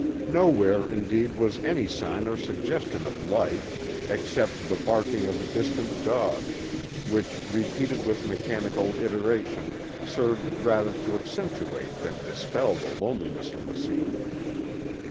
Nowhere, indeed, was any sign or suggestion of life except the barking of a distant dog, which, repeated with mechanical iteration, served rather to accentuate than dispel the loneliness of the scene.